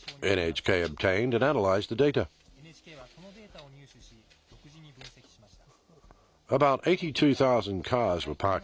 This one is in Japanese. ＮＨＫはこのデータを入手し、独自に分析しました。